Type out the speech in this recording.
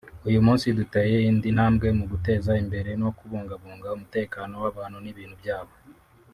Uyu munsi duteye indi ntambwe mu guteza imbere no kubungabunga umutekano w’abantu n’ibintu byabo